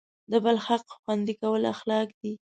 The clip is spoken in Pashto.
د بل حق خوندي کول اخلاق دی.